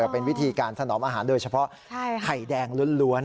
เป็นวิธีการถนอมอาหารโดยเฉพาะไข่แดงล้วน